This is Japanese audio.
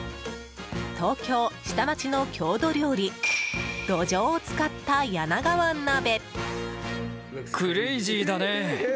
東京下町の郷土料理ドジョウを使った柳川鍋。